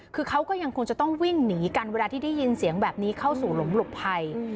คือเขาก็ยังคงจะต้องวิ่งหนีกันเวลาที่ได้ยินเสียงแบบนี้เข้าสู่หลงหลบภัย